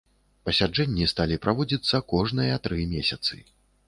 Пасяджэнні сталі праводзіцца кожныя тры месяцы.